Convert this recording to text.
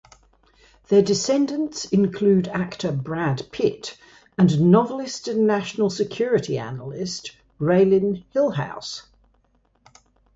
Their descendants include actor Brad Pitt and novelist and national security analyst Raelynn Hillhouse.